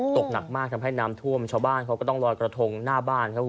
ตกหนักมากทำให้น้ำทวมชาวบ้านรอยกระทงหน้าบ้าน